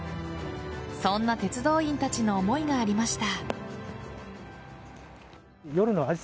そんな鉄道員たちの思いがありました。